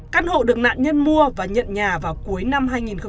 căn hộ được nạn nhân mua và nhận nhà vào cuối năm hai nghìn hai mươi một